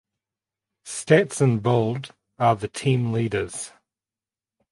Stats in bold are the team leaders.